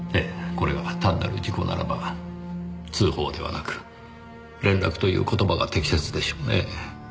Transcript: これが単なる事故ならば通報ではなく連絡という言葉が適切でしょうねぇ。